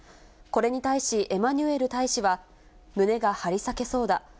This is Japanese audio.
これに対し、エマニュエル大使は、胸が張り裂けそうだ。